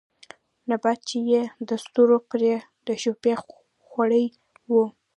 نبات چې يې د ستورو پرې د شپې خـوړلې وو